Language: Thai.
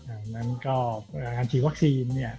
ดังนั้นก็การฉีดวัคซีนเนี่ย